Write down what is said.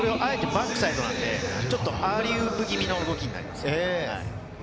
それをあえて、バックサイドなんでアーリーウープ気味のトリックになります。